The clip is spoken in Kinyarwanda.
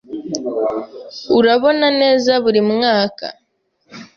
Urabona neza buri mwaka.